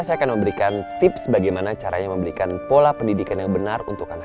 saya akan memberikan tips bagaimana caranya memberikan pola pendidikan yang benar untuk anak